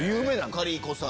カリー子さん。